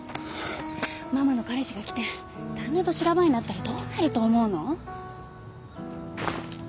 ママの彼氏が来て旦那と修羅場になったらどうなると思うの？